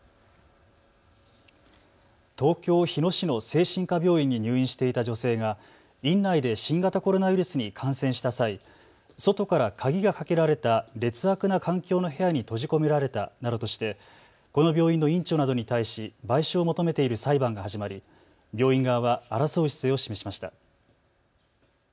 東京日野市の精神科病院に入院していた女性が院内で新型コロナウイルスに感染した際、外から鍵がかけられた劣悪な環境の部屋に閉じ込められたなどとしてこの病院の院長などに対し賠償を求めている裁判が始まり病院側は争う姿勢を示しました。